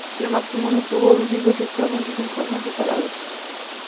El matrimonio tuvo dos hijos y actualmente se encuentran separados.